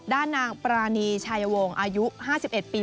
ด้านนางปรานีชายวงศ์อายุ๕๑ปี